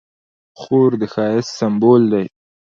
خور د ښایست سمبول ده.